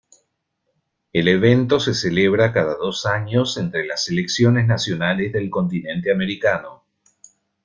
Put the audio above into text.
El evento se celebra cada dos años entre las selecciones nacionales del Continente americano.